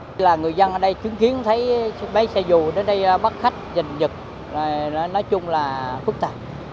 thế là người dân ở đây chứng kiến thấy mấy xe dù đến đây bắt khách dành dực nói chung là phức tạp